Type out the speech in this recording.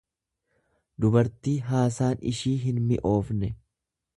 dubartii haasaan ishii hinmi'oofne.